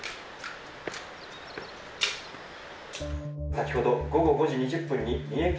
「先ほど午後５時２０分に三重県に」。